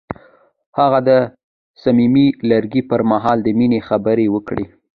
هغه د صمیمي لرګی پر مهال د مینې خبرې وکړې.